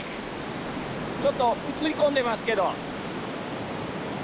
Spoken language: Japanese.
ちょっと映り込んでますけど。